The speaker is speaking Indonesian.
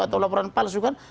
atau laporan palsu kan